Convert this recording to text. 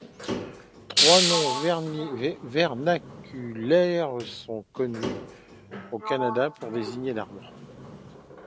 Trois noms vernaculaires sont connus au Canada pour désigner l'arbre.